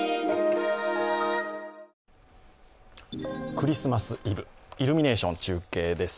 クリスマスイブ、イルミネーション中継です。